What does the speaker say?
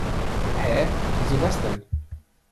Hä, wieso das denn?